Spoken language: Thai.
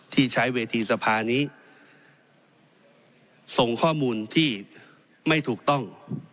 ที่ใช้เวทีสภานี้ส่งข้อมูลที่ไม่ถูกต้อง